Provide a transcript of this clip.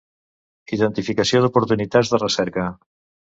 Identificació d'oportunitats de recerca.